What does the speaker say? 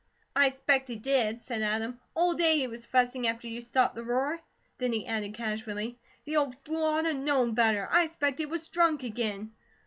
"I 'spect he did," said Adam. "All day he was fussing after you stopped the roar." Then he added casually: "The old fool ought a known better. I 'spect he was drunk again!"